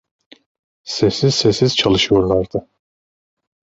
Sessiz sessiz çalışıyorlardı.